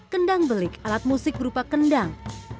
kendang belik alat musik berupa kendang